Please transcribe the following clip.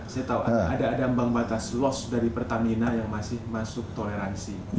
saya tahu ada ambang batas loss dari pertamina yang masih masuk toleransi